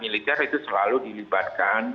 militer itu selalu dilibatkan